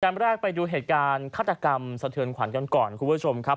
แรกไปดูเหตุการณ์ฆาตกรรมสะเทือนขวัญกันก่อนคุณผู้ชมครับ